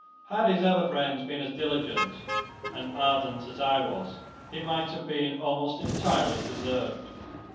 Had his other friends been as diligent and ardent as I was, he might have been almost entirely preserved.